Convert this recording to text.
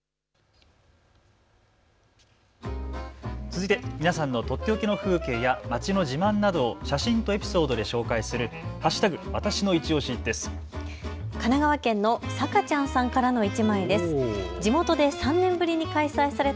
続いて皆さんのとっておきの風景や街の自慢などを写真とエピソードで紹介する＃